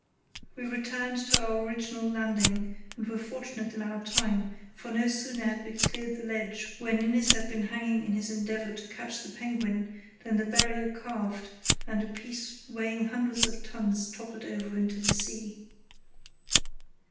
We returned to our original landing, and were fortunate in our time, for no sooner had we cleared the ledge where Ninnis had been hanging in his endeavour to catch the penguin than the barrier calved and a piece weighing hundreds of tons toppled over into the sea.